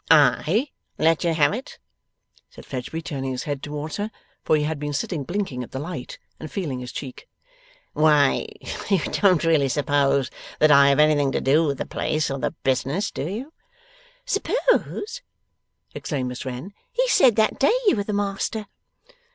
'I let you have it?' said Fledgeby, turning his head towards her; for he had been sitting blinking at the light, and feeling his cheek. 'Why, you don't really suppose that I have anything to do with the place, or the business; do you?' 'Suppose?' exclaimed Miss Wren. 'He said, that day, you were the master!